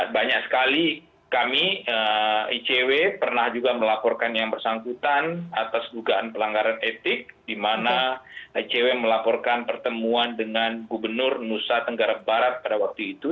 banyak sekali kami icw pernah juga melaporkan yang bersangkutan atas dugaan pelanggaran etik di mana icw melaporkan pertemuan dengan gubernur nusa tenggara barat pada waktu itu